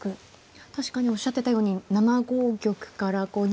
確かにおっしゃってたように７五玉から逃げるルートが。